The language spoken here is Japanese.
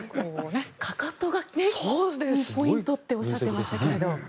かかとがポイントっておっしゃってましたけど。